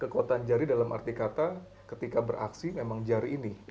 kekuatan jari dalam arti kata ketika beraksi memang jari ini